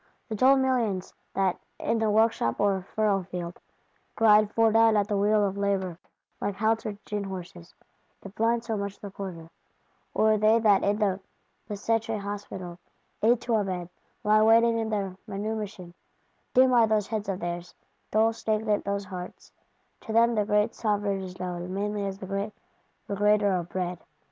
The dull millions that, in the workshop or furrowfield, grind fore done at the wheel of Labour, like haltered gin horses, if blind so much the quieter? Or they that in the Bicêtre Hospital, "eight to a bed," lie waiting their manumission? Dim are those heads of theirs, dull stagnant those hearts: to them the great Sovereign is known mainly as the great Regrater of Bread.